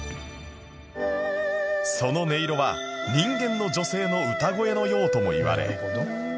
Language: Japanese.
その音色は人間の女性の歌声のようとも言われ